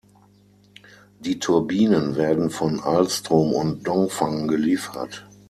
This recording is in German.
Die Turbinen werden von Alstom und Dongfang geliefert.